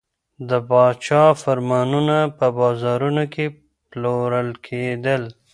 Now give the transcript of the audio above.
د پاچا فرمانونه په بازارونو کې پلورل کېدل.